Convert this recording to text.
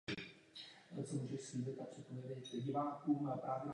V obou těchto bodech máme jasno.